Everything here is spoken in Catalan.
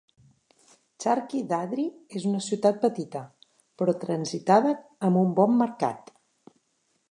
Charkhi Dadri és una ciutat petita, però transitada amb un bon mercat.